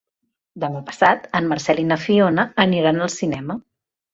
Demà passat en Marcel i na Fiona aniran al cinema.